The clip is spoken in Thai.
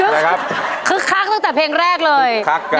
มันขักตั้งแต่เพลงแรกเลย